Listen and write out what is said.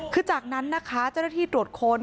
คือจากนั้นนะคะเจ้าหน้าที่ตรวจค้น